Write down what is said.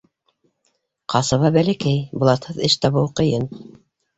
Ҡасаба бәләкәй, блатһыҙ эш табыуы ҡыйын.